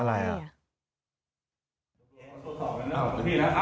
อะไรอ่ะ